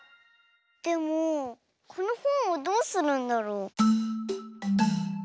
でもこのほんをどうするんだろう？